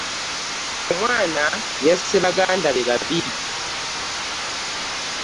Omwana yasse baganda be babiri.